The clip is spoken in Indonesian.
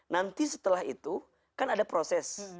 nanti setelah itu kan ada proses